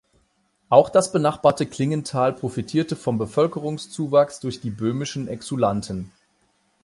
Auch das benachbarte Klingenthal profitierte vom Bevölkerungszuwachs durch die böhmischen Exulanten.